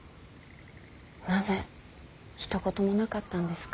なぜひと言もなかったんですか。